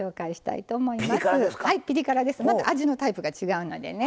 また味のタイプが違うのでね。